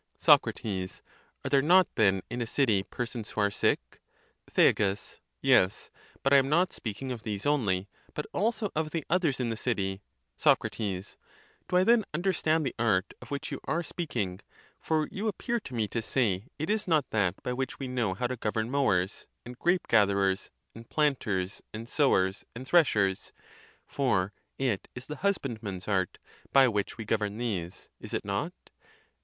Soc. Are there not then in a city persons who are sick ? Thea. Yes. But Iam not speaking of these only, but also of the others in the city. Soc. Do I then understand the art of which you are speak ing? For you appear to me to say it is not that, by which we know how to govern mowers, and grape gatherers, and planters, and sowers, and threshers; for it is the husband man's art, by which we govern these. Is it not?